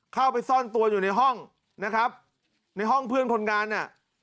เข้าไปซ่อนตัวอยู่ในห้องนะครับในห้องเพื่อนคนงานเนี่ย